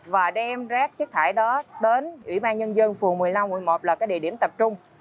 và đem rác chất thải đó đến ủy ban nhân dân phường một mươi năm quận một là cái địa điểm tập trung